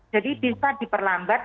jadi bisa diperlambat